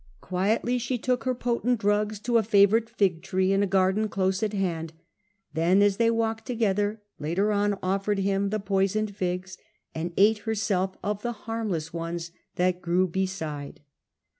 Quietly she took her potent drugs to a favourite fig tree in a garden close at hand, then as they walked together later on offered him the poisoned figs and ate herself of the harmless ones that grew beside.